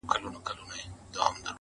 پر سلطان باندي دعاوي اورېدلي؛